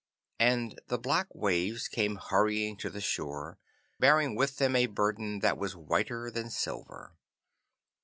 And the black waves came hurrying to the shore, bearing with them a burden that was whiter than silver.